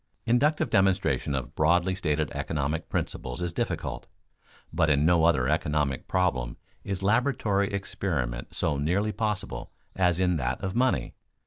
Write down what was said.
_ Inductive demonstration of broadly stated economic principles is difficult, but in no other economic problem is laboratory experiment so nearly possible as in that of money.